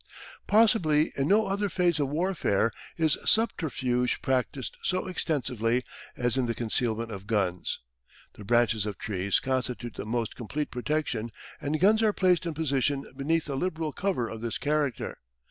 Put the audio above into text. Possibly in no other phase of warfare is subterfuge practised so extensively as in the concealment of guns. The branches of trees constitute the most complete protection and guns are placed in position beneath a liberal cover of this character.